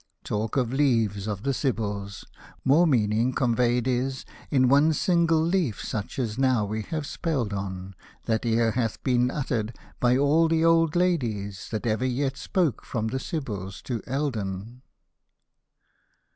Talk of leaves of the Sibyls !— more meaning con veyed is In one single leaf such as now we have spelled on, Than e'er hath been uttered by all the old ladies That ever yet spoke, from the Sibyls to Eldon.